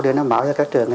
để đưa nó bảo cho các trường